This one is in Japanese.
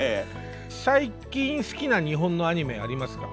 最近好きな日本のアニメありますか？